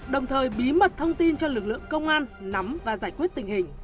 đồng thời bí mật thông tin cho lực lượng công an nắm và giải quyết tình hình